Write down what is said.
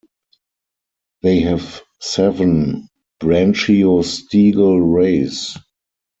They have seven branchiostegal rays.